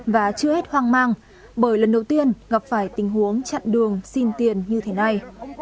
và chưa hết hoang mang bởi lần đầu tiên gặp phải tình huống chặn đường xin tiền như thế này